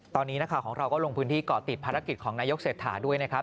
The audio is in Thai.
ตอนนี้นักข่าวของเราก็ลงพื้นที่เกาะติดภารกิจของนายกเศรษฐาด้วยนะครับ